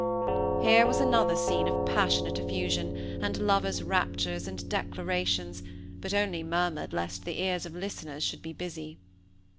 Here was another scene of passionate effusion, and lovers' raptures and declamations, but only murmured lest the ears of listeners should be busy.